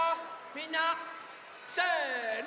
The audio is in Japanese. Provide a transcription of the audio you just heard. みんなせの。